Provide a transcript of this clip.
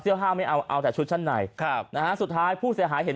ห้ามไม่เอาเอาแต่ชุดชั้นในครับนะฮะสุดท้ายผู้เสียหายเห็น